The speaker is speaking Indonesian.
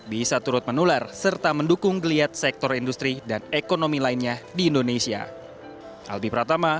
bisa turut menular serta mendukung geliat sektor industri dan ekonomi lainnya di indonesia